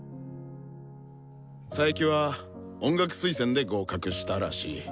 佐伯は音楽推薦で合格したらしい。